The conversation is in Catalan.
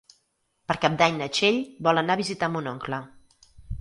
Per Cap d'Any na Txell vol anar a visitar mon oncle.